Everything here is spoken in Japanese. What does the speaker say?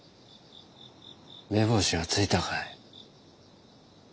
目星はついたかい？